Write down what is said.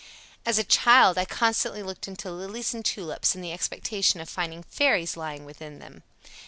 "As a child, I constantly looked into lilies and tulips in the expectation of finding fairies lying within them."